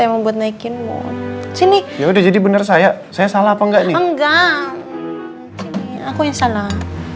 yang membuat naikinmu sini ya udah jadi bener saya saya salah apa enggak nih enggak aku ya salah